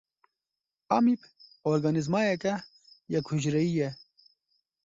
Amîb organîzmayeke yek hucreyî ye.